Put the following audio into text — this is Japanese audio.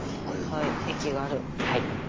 はい駅がある。